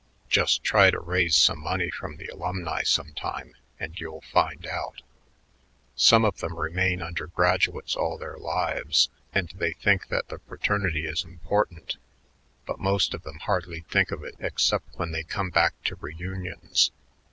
Just try to raise some money from the alumni some time, and you'll find out. Some of them remain undergraduates all their lives, and they think that the fraternity is important, but most of them hardly think of it except when they come back to reunions.